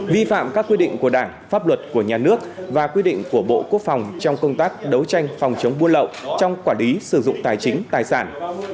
vi phạm các quy định của đảng pháp luật của nhà nước và quy định của bộ quốc phòng trong công tác đấu tranh phòng chống buôn lậu trong quản lý sử dụng tài chính tài sản